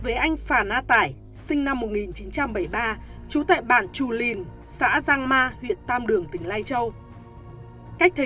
với anh phà na tải sinh năm một nghìn chín trăm bảy mươi ba trú tại bản trù lìn xã giang ma huyện tam đường tỉnh lai châu